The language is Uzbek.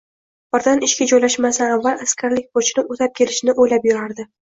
birdan ishga joylashmasdan avval askarlik burchini o'tab kelishni o'ylab yurardi.